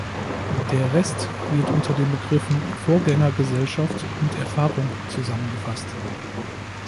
Der Rest wird unter den Begriffen Vorgängergesellschaft und Erfahrung zusammengefasst.